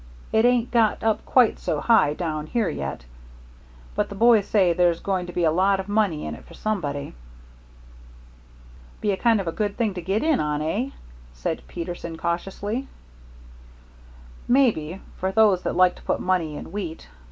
It ain't got up quite so high down here yet, but the boys say there's going to be a lot of money in it for somebody." "Be a kind of a good thing to get in on, eh?" said Peterson, cautiously. "Maybe, for those that like to put money in wheat.